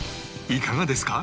いかがですか？